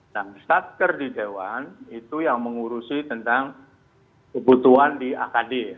nah satker di dewan itu yang mengurusi tentang kebutuhan di akd